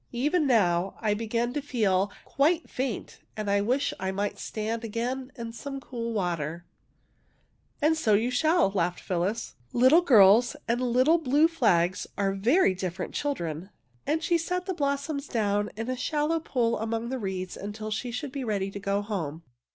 Even now I begin to feel 146 THE IRIS quite faint and wish I might stand again in some cool water/' " And so you shall/' laughed Phyllis. " Lit tle girls and little blue flags are very different children." And she set the blossoms down in a shallow pool among the reeds until she should be ready to go home.